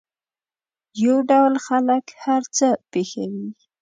یو ډول خلک هر څه پېښوي.